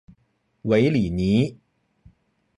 韦里尼。